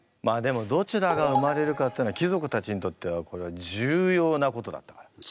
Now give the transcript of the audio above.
まあでもどちらが生まれるかっていうのは貴族たちにとってはこれは重要なことだったから。